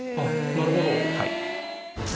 なるほど！